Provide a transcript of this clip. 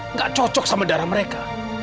nggak cocok sama darah mereka